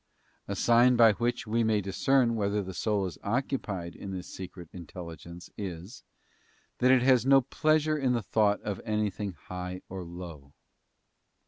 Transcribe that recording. <A sign by which we may discern whether the soul is occupied in this secret intelligence is, that it has no pleasure in the thought of anything high or low.